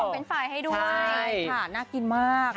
เป็นฝ่ายให้ด้วยค่ะน่ากินมาก